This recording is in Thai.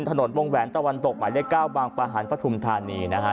ถนนวงแหวนตะวันตกหมายเลข๙บางประหันปฐุมธานีนะฮะ